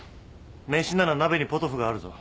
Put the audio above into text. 飯なら鍋にポトフがあるぞ。